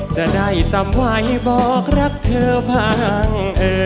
จะได้จำไว้บอกรักเธอบ้าง